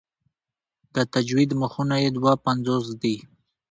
د تجوید مخونه یې دوه پنځوس دي.